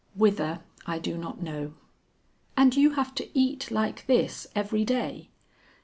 Whither I do not know." "And you have to eat like this every day?"